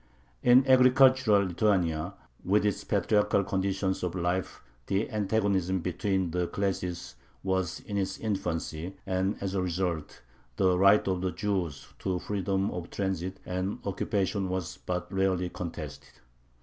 In agricultural Lithuania with its patriarchal conditions of life the antagonism between the classes was in its infancy, and as a result the right of the Jews to freedom of transit and occupation was but rarely contested.